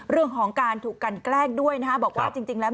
เรื่องของการถูกกันแกล้งด้วยนะฮะบอกว่าจริงแล้ว